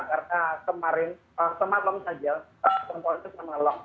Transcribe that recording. karena kemarin semalam saja sempat itu semalam